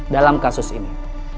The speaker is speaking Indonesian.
dalam kasus ini